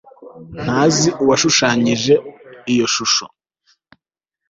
ntazi uwashushanyije iyo shusho